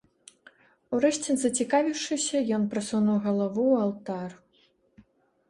Урэшце, зацікавіўшыся, ён прасунуў галаву ў алтар.